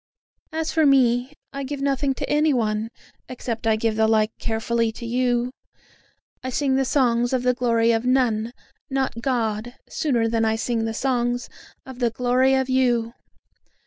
As for me, I give nothing to any one, except I give the like carefully to you; I sing the songs of the glory of none, not God, sooner than I sing the songs of the glory of you.